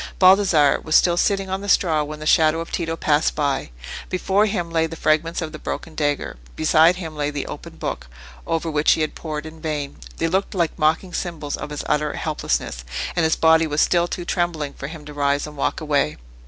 Baldassarre was still sitting on the straw when the shadow of Tito passed by. Before him lay the fragments of the broken dagger; beside him lay the open book, over which he had pored in vain. They looked like mocking symbols of his utter helplessness; and his body was still too trembling for him to rise and walk away.